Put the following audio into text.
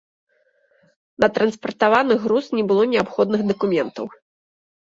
На транспартаваны груз не было неабходных дакументаў.